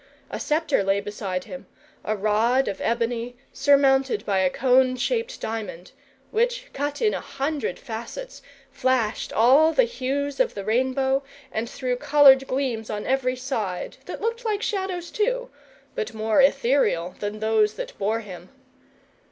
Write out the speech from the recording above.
A sceptre lay beside him a rod of ebony, surmounted by a cone shaped diamond, which, cut in a hundred facets, flashed all the hues of the rainbow, and threw coloured gleams on every side, that looked like Shadows too, but more ethereal than those that bore him.